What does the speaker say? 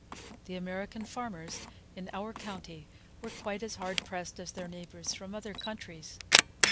The American farmers in our county were quite as hard pressed as their neighbors from other countries.